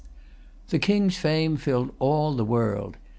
The King's fame filled all the world.